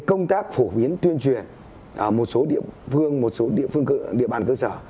công tác phổ biến tuyên truyền ở một số địa phương một số địa phương địa bàn cơ sở